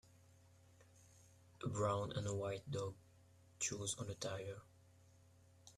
A brown and white dog chews on a tire.